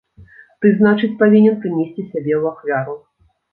Ты, значыць, павінен прынесці сябе ў ахвяру.